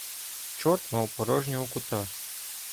Чорт мав порожнього кута.